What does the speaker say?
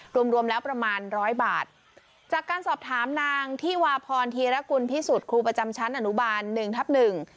รวมรวมแล้วประมาณร้อยบาทจากการสอบถามนางที่วาพรธีรกุลพิสุทธิ์ครูประจำชั้นอนุบาลหนึ่งทับหนึ่ง